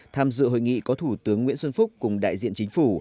tham dự hội nghị có thủ tướng nguyễn xuân phúc cùng đại diện chính phủ